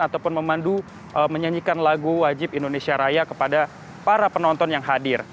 ataupun memandu menyanyikan lagu wajib indonesia raya kepada para penonton yang hadir